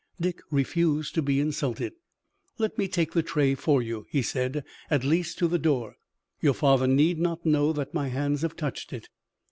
Dick refused to be insulted. "Let me take the tray for you," he said, "at least to the door. Your father need not know that my hands have touched it."